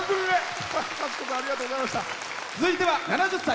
続いては７０歳。